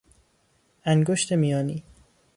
انگشت میانی